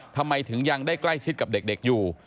ทำไมถึงยังได้ใกล้ชิดกับเด็กอยู่